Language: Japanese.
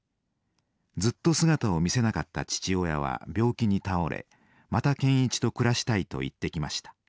ずっと姿を見せなかった父親は病気に倒れまた健一と暮らしたいと言ってきました。